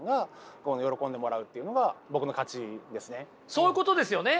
そういうことですよね？